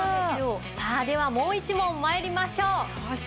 さあではもう一問参りましょう。